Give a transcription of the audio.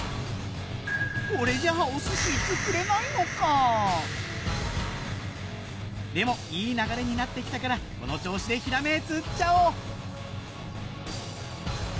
これじゃお寿司作れないのかでもいい流れになって来たからこの調子でヒラメ釣っちゃおう